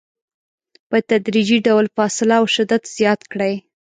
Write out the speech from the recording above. په تدریجي ډول فاصله او شدت زیات کړئ.